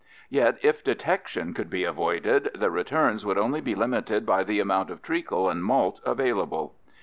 Yet if detection could be avoided, the returns would only be limited by the amount of treacle and malt available.